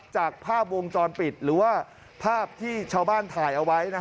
จากภาพวงจรปิดหรือว่าภาพที่ชาวบ้านถ่ายเอาไว้